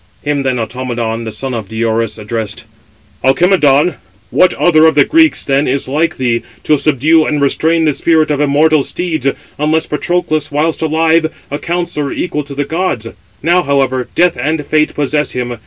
Him then Automedon, the son of Diores, addressed: "Alcimedon, what other of the Greeks, then, is like thee, to subdue and restrain the spirit of immortal steeds, unless Patroclus, whilst alive, a counsellor equal to the gods? Now, however, death and fate possess him.